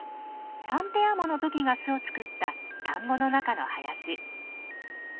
３ペアものトキが巣を作った田んぼの中の林。